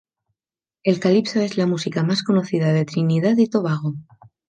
El Calipso es la música más conocida de Trinidad y Tobago.